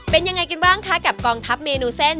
เป็นยังไงกันบ้างคะกับกองทัพเมนูเส้น